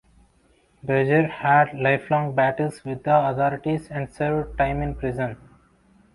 Berger had lifelong battles with the authorities and served time in prison.